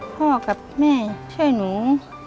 พ่อกับแม่ช่วยหนู